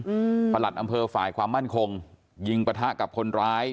ประหลัดอำเภอฝ่ายความมั่นคงยิงปะทะกับคนร้าย